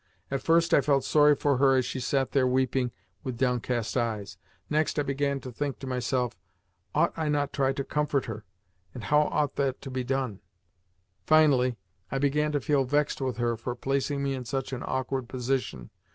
At first I felt sorry for her as she sat there weeping with downcast eyes. Next I began to think to myself: "Ought I not to try and comfort her, and how ought that to be done?" Finally, I began to feel vexed with her for placing me in such an awkward position.